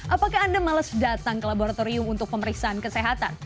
apakah anda males datang ke laboratorium untuk pemeriksaan kesehatan